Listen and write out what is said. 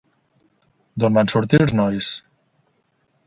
D'on van sortir els nois?